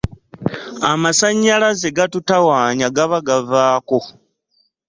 Amasannyalaze gatutawaanya, gaba gavaako.